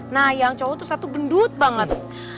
nah yang cowok tuh satu gendut banget